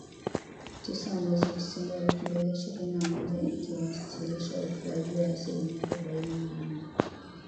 Tisa mwezi Disemba elfu mbili ishirini na moja , ikiwasilisha ukuaji wa asilimia arobaine na nne